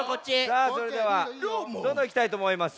さあそれではどんどんいきたいとおもいます。